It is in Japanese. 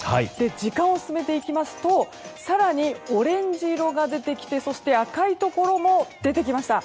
時間を進めていきますと更にオレンジ色が出てきてそして赤いところも出てきました。